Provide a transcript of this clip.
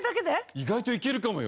意外といけるかもよ。